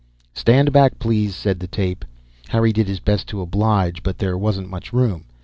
"Stand back, please!" said the tape. Harry did his best to oblige, but there wasn't much room.